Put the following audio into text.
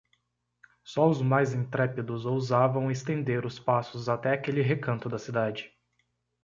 Só os mais intrépidos ousavam estender os passos até aquele recanto da cidade.